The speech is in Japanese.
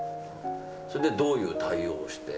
それでどういう対応をして？